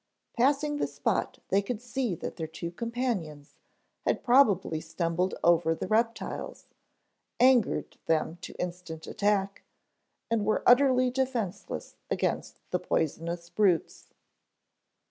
Passing the spot they could see that their two companions had probably stumbled over the reptiles, angered them to instant attack, and were utterly defenseless against the poisonous brutes.